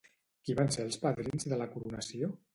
Qui van ser els padrins de la coronació?